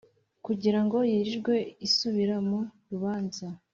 kugira ngo yirirwe isubira mu rubanza